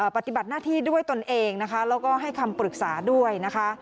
ปฏิบัติหน้าที่ด้วยตนเองนะคะแล้วก็ให้คำปรึกษาด้วยนะคะ